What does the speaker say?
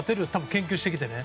研究してきてね。